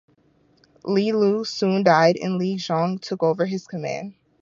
Li Liu soon died and Li Xiong took over his command.